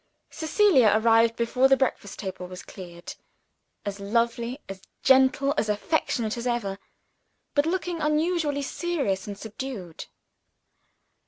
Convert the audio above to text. Cecilia arrived before the breakfast table was cleared; as lovely, as gentle, as affectionate as ever but looking unusually serious and subdued.